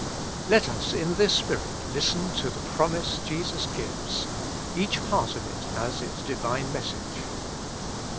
Let us in this spirit listen to the promise Jesus gives ; each part of it has its Divine message.